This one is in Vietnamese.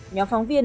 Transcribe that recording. nhóm phóng viên